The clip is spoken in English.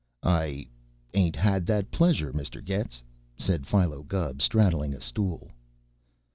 "I ain't had that pleasure, Mr. Getz," said Philo Gubb, straddling a stool.